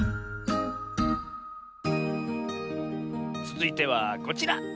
つづいてはこちら。